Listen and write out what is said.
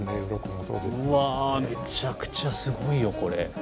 うわめちゃくちゃすごいよこれ。